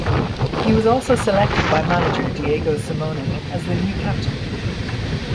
He was also selected by manager Diego Simeone as the new captain.